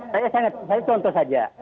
saya contoh saja